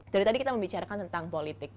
dari tadi kita membicarakan tentang politik